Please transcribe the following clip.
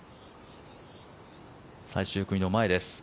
最終組の前です。